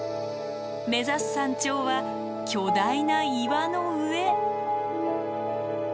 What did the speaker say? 目指す山頂は巨大な岩の上。